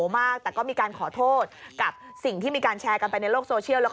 มากแต่ก็มีการขอโทษกับสิ่งที่มีการแชร์กันไปในโลกโซเชียลแล้ว